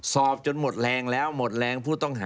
สอบจนหมดแรงแล้วหมดแรง